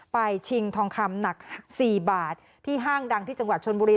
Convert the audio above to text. ชิงทองคำหนัก๔บาทที่ห้างดังที่จังหวัดชนบุรี